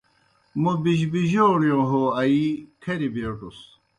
موْ بِجبِجَوݨِیو ہو آ یِی کھریْ بیٹُس۔